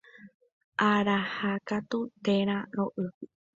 Arahaku térã roʼýgui.